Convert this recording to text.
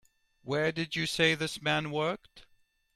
Where did you say this man worked?